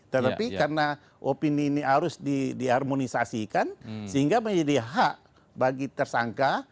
tetapi karena opini ini harus diharmonisasikan sehingga menjadi hak bagi tersangka